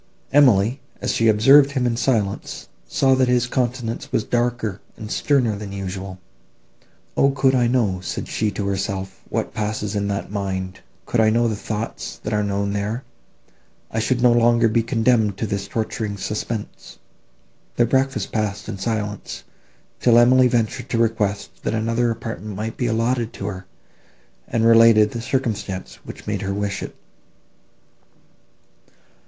Emily, as she observed him in silence, saw, that his countenance was darker and sterner than usual. "O could I know," said she to herself, "what passes in that mind; could I know the thoughts, that are known there, I should no longer be condemned to this torturing suspense!" Their breakfast passed in silence, till Emily ventured to request, that another apartment might be allotted to her, and related the circumstance which made her wish it.